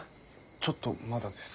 ちょっとまだです。